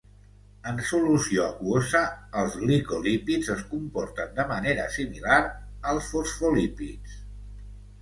En solució aquosa, els glicolípids es comporten de manera similar als fosfolípids.